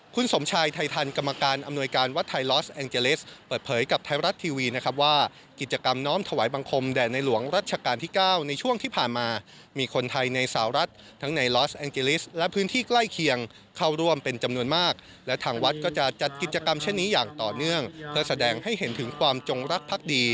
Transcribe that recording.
คุณสมชายไทยทันกรรมการอำนวยการวัดไทยลอสแองเจลิสเปิดเผยกับไทยรัฐทีวีนะครับว่ากิจกรรมน้อมถวายบังคมแด่ในหลวงรัชกาลที่๙ในช่วงที่ผ่านมามีคนไทยในสาวรัฐทั้งในลอสแองเจลิสและพื้นที่ใกล้เคียงเข้าร่วมเป็นจำนวนมากและทางวัดก็จะจัดกิจกรรมเช่นนี้อย่างต่อเนื่องเพื่อแสดงให้เห็นถึงความจงรักพักดี